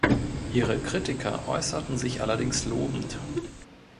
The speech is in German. Ihre Kritiker äußerten sich allerdings lobend.